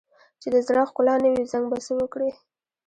چې د زړه ښکلا نه وي، زنګ به څه وکړي؟